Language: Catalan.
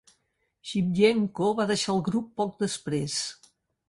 Schiptjenko va deixar el grup poc després.